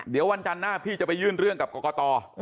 เดี๋ยววันจันทร์หน้าพี่จะไปยื่นเรื่องกับกรกต